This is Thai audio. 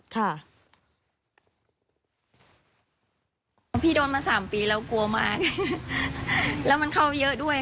ค่ะผลผู้ออกที่บนข้างในนี่คือยกของ